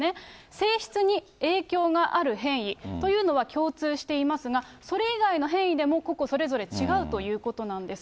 性質に影響がある変異というのは、共通していますが、それ以外の変異でも、個々、それぞれ違うということなんです。